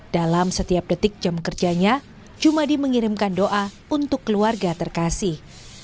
dalam setiap detik jam kerjanya jumadi mengirimkan doa untuk keluarga terkasih